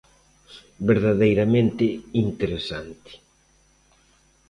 Verdadeiramente interesante.